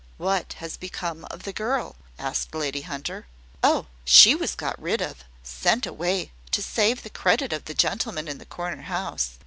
"What has become of the girl?" asked Lady Hunter. "Oh, she was got rid of sent away to save the credit of the gentleman in the corner house.